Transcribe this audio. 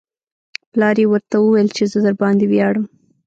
پلار یې ورته وویل چې زه درباندې ویاړم